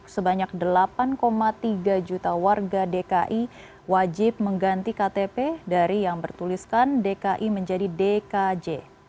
sebanyak delapan tiga juta warga dki wajib mengganti ktp dari yang bertuliskan dki menjadi dkj